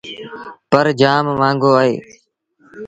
پر جآم مآݩگو اهي۔